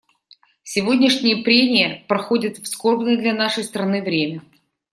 Сегодняшние прения проходят в скорбное для нашей страны время.